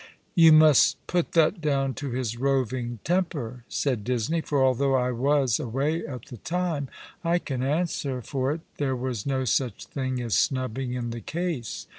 "You must put that down to his roving temper," said Disney, "for although I was aw^ay at the time, I can answer for it there was no such thing as snubbing in the case.